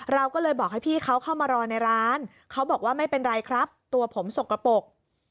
เราก็เลยบอกให้พี่เขาเข้ามารอในร้านเขาบอกว่าไม่เป็นไรครับตัวผมสกปรก